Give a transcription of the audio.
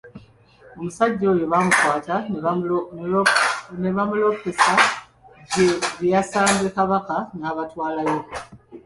Omusajja oyo baamukwata ne bamuloopesa gye yasanze Kabaka n'abatwalayo.